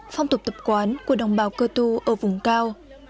phong tục tập quán của đồng bào cơ tu ở vùng cao